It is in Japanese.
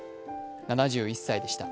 ７１歳でした。